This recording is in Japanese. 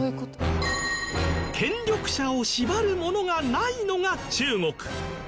権力者を縛るものがないのが中国。